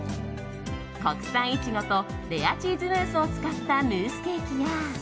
国産イチゴとレアチーズムースを使ったムースケーキや。